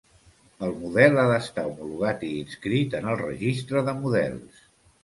El model ha d'estar homologat i inscrit en el Registre de models.